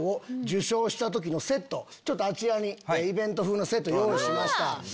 あちらにイベント風のセット用意しました。